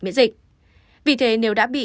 miễn dịch vì thế nếu đã bị